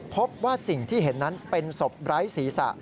พบว่าสิ่งที่เห็นนั้นเป็นศพไร้ศีรษะ